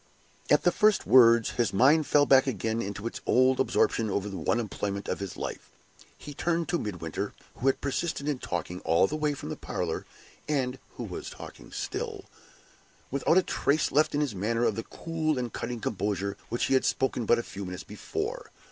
"At the first words, his mind fell back again into its old absorption over the one employment of his life. He turned to Midwinter (who had persisted in talking all the way from the parlor, and who was talking still) without a trace left in his manner of the cool and cutting composure with which he had spoken but a few minutes before.